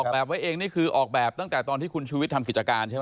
แบบไว้เองนี่คือออกแบบตั้งแต่ตอนที่คุณชูวิทย์ทำกิจการใช่ไหม